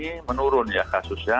itu menurun ya kasusnya